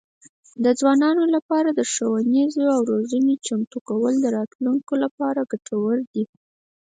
د ځوانانو لپاره د ښوونې او روزنې چمتو کول د راتلونکي لپاره ګټور دي.